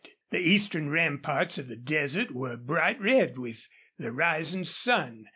The eastern ramparts of the desert were bright red with the rising sun.